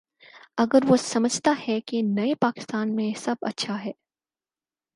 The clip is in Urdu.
اگر وہ سمجھتا ہے کہ نئے پاکستان میں سب اچھا ہے۔